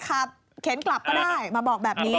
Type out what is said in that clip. ค่ะแปลว่ากรณีแบบนี้